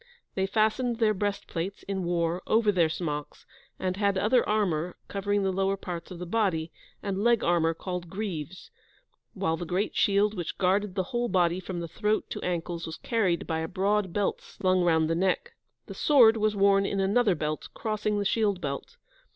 They fastened their breastplates, in war, over their smocks, and had other armour covering the lower parts of the body, and leg armour called "greaves"; while the great shield which guarded the whole body from throat to ankles was carried by a broad belt slung round the neck. The sword was worn in another belt, crossing the shield belt.